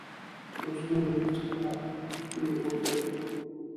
اوس مې د دوی څخه پښې وکښلې.